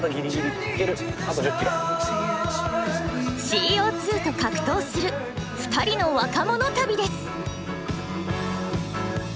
ＣＯと格闘する２人の若者旅です。